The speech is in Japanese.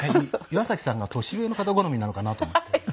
岩崎さんが年上の方好みなのかなと思って。